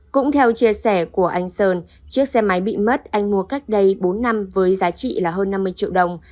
cũng theo chia sẻ của anh sơn chiếc xe máy bị mất anh mua cách đây bốn năm với giá trị là hơn năm mươi triệu đồng